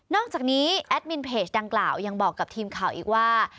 อกจากนี้แอดมินเพจดังกล่าวยังบอกกับทีมข่าวอีกว่า